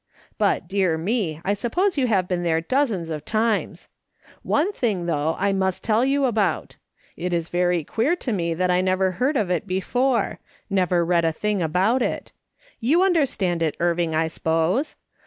But, dear me ! I suppose you have been there dozens of times. One thing, though, I must tell you about. It is very queer to me that I never heard of it before ; never read a thing about it. You understand it, Irving, I s'pose